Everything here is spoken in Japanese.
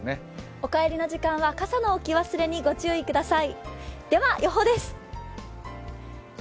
お帰りの時間は傘の置き忘れにご注意ください。